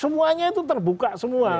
semuanya itu terbuka semua